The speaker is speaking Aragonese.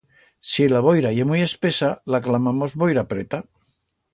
Si la boira ye muit espesa la clamamos boira preta.